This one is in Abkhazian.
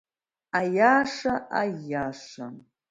Аиаша, аиаша…